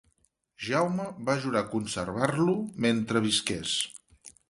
Jaume va jurar conservar-lo mentre visqués.